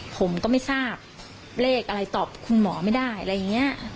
ผมก็ไม่ทราบเลขอะไรตอบคุณหมอไม่ได้อะไรอย่างนี้